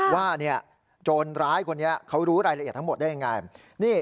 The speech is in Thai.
โจรร้ายคนนี้เขารู้รายละเอียดทั้งหมดได้ยังไง